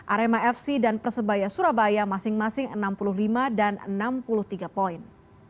arema fc dan persebaya surabaya masing masing enam puluh lima dan enam puluh tiga poin